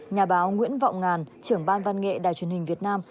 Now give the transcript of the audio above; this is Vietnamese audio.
nhà báo nguyễn vọng ngàn trưởng ban văn nghệ đài truyền hình việt nam